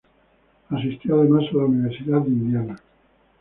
Asistió además a la Universidad de Indiana.